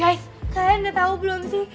guys kalian udah tau belum sih